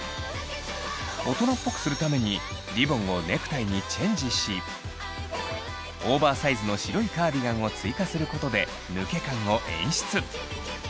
大人っぽくするためにリボンをネクタイにチェンジしオーバーサイズの白いカーディガンを追加することで抜け感を演出。